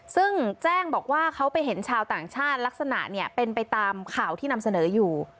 ซึ่งแจ้งบอกว่าเขาไปเห็นชาวต่างชาติลักษณะเนี่ยเป็นไปตามข่าวที่นำเสนออยู่